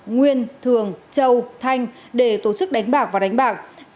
nguyên thường châu thanh để tổ chức đánh bạc và đánh bạc